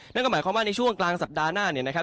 นั่นก็หมายความว่าในช่วงกลางสัปดาห์หน้าเนี่ยนะครับ